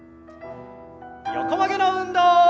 横曲げの運動。